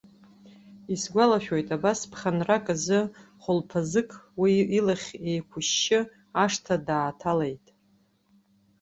Исгәалашәоит, абас ԥхынрак азы хәылԥазык уи илахь еиқәышьшьы ашҭа дааҭалеит.